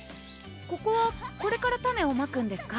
ここはこれから種をまくんですか？